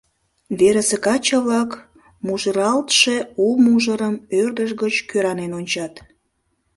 Верысе каче-влак мужырлалтше у мужырым ӧрдыж гыч кӧранен ончат.